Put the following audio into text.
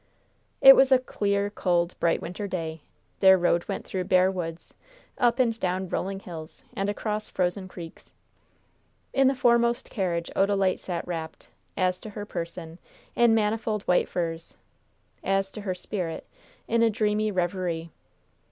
It was a clear, cold, bright winter day. Their road went through bare woods, up and down rolling hills, and across frozen creeks. In the foremost carriage Odalite sat wrapped, as to her person, in manifold white furs; as to her spirit, in a dreamy reverie.